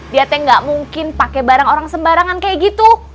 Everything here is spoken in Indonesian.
dia teh gak mungkin pakai barang orang sembarangan kayak gitu